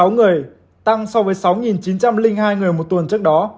sáu năm trăm bốn mươi sáu người tăng so với sáu chín trăm linh hai người một tuần trước đó